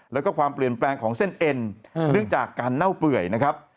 แล้วก็ความเปลี่ยนแปลงของเส้นเอ็นเนื่องจากการเน่าเปื่อยนะครับ